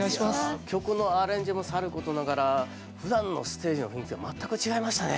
曲のアレンジもさることながらふだんのステージの雰囲気とは全く違いましたね。